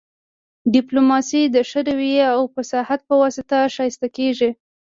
ډیپلوماسي د ښه رويې او فصاحت په واسطه ښایسته کیږي